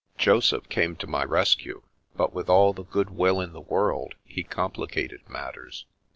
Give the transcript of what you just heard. Joseph came to my rescue, but, with all the good will in the world, he complicated matters.